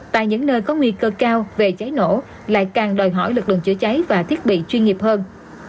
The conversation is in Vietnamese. tại những nơi có nguy cơ cao về cháy nổ lại càng đòi hỏi lực lượng chữa cháy và thiết bị chuyên nghiệp hơn